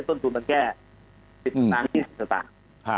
ส่วนทุนมันแค่๑๐นาง๒๐สตางค์